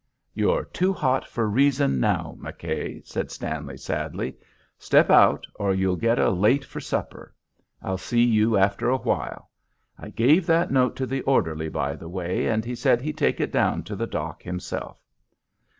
"You're too hot for reason now, McKay," said Stanley, sadly. "Step out or you'll get a late for supper. I'll see you after awhile. I gave that note to the orderly, by the way, and he said he'd take it down to the dock himself."